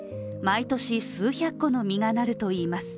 毎年、数百個の実が成るといいます。